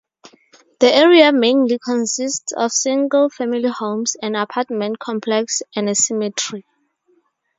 The area mainly consists of single-family homes, an apartment complex, and a cemetery.